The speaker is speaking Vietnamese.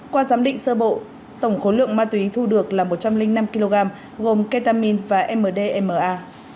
qua giám định sơ bộ tổng khối lượng ma túy thu được là một trăm linh năm kg gồm ketamin và mdma